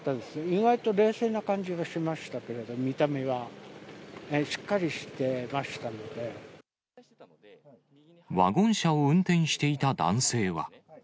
意外と冷静な感じがしましたけれど、見た目は、しっかりしてましワゴン車を運転していた男性は。